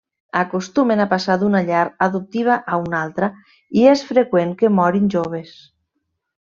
Acostumen a passar d'una llar adoptiva a una altra i és freqüent que morin joves.